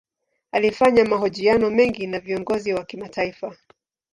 Alifanya mahojiano mengi na viongozi wa kimataifa.